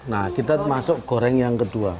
nah kita masuk goreng yang kedua